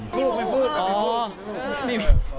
ฟุกไม่ฟุกไม่ฟุก